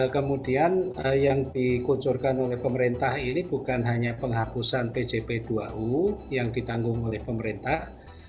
kemudian yang dikucurkan oleh pemerintah ini bukan hanya penghapusan pjp dua u yang ditanggung oleh pemerintah